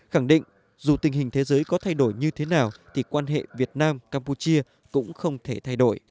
khẳng định dù tình hình thế giới có thay đổi như thế nào thì quan hệ việt nam campuchia cũng không thể thay đổi